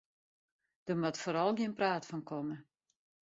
Der moat foaral gjin praat fan komme.